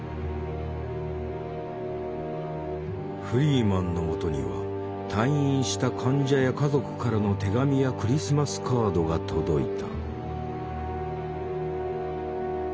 フリーマンの元には退院した患者や家族からの手紙やクリスマスカードが届いた。